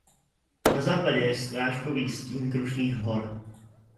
Na západě je srážkový stín Krušných hor.